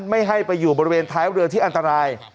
ไม่ให้ไปอยู่บริเวณท้ายเรือที่อันตราย